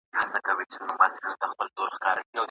بغدادي قاعده په څنګ کي توری ورک د الف لام دی